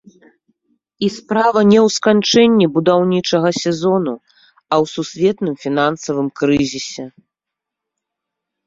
І справа не ў сканчэнні будаўнічага сезону, а ў сусветным фінансавым крызісе.